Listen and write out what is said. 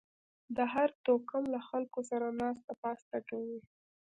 د هر توکم له خلکو سره ناسته پاسته کوئ